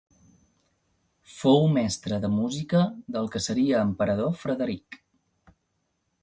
Fou mestre de música del que seria emperador Frederic.